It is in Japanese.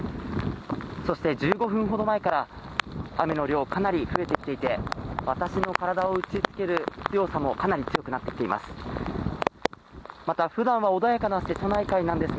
そして１５分ほど前から雨の量かなり増えてきていて私の体を打ち付ける強さもかなり強くなってきています。